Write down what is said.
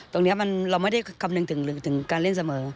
ตรงนี้เราไม่ได้คำนึงถึงการเล่นเสมอ